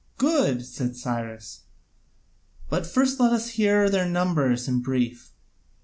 "Good," said Cyrus, "but first let us hear their numbers in brief."